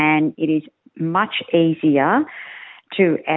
dan itu sangat mudah